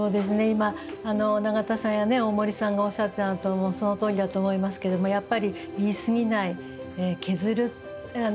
今永田さんや大森さんがおっしゃったのとそのとおりだと思いますけれどもやっぱり言い過ぎない削る。